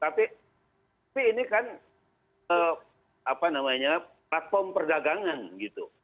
tapi ini kan platform perdagangan gitu